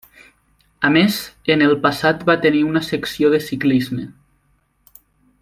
A més, en el passat va tenir una secció de ciclisme.